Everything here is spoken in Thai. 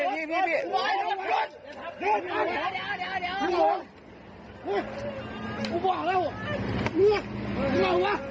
ดิดดี่ลอ้อลอด